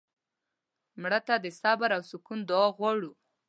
مړه ته د صبر او سکون دعا غواړو